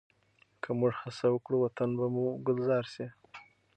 که موږ هڅه وکړو، وطن به مو ګلزار شي.